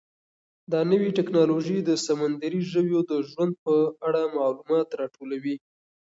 دا نوې ټیکنالوژي د سمندري ژویو د ژوند په اړه معلومات راټولوي.